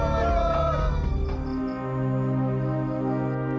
male satri bapeda